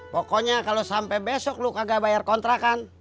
pokoknya kalau sampai besok lu kagak bayar kontrakan